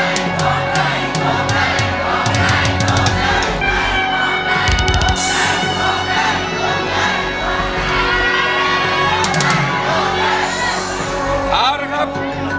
เอาละครับ